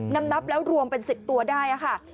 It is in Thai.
นับแล้วรวมเป็น๑๐ตัวได้ค่ะ